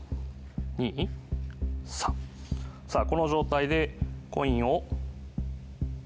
さあこの状態でコインを。